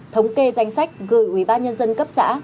thống kê danh sách gửi ubnd cấp xã